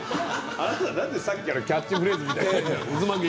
あなた、なんでさっきからキャッチフレーズみたいな。